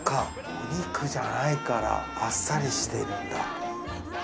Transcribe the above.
お肉じゃないからあっさりしてるんだ。